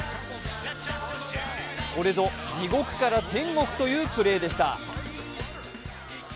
これぞ地獄から天国というプレーでした。